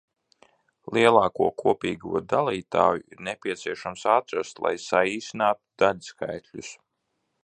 Lielāko kopīgo dalītāju ir nepieciešams atrast, lai saīsinātu daļskaitļus.